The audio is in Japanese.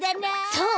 そう！